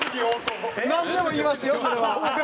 なんでも言いますよそれは。